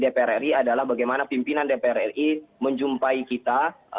dan goal kita di dpr ri adalah bagaimana pimpinan dpr ri menjumpai kita